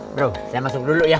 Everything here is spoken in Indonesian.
bro saya masuk dulu ya